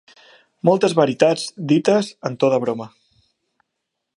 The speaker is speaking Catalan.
Moltes veritats dites en to de broma.